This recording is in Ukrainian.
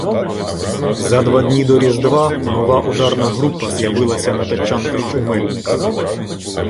За два дні до Різдва нова ударна група з'явилася на тачанках у Мельниках.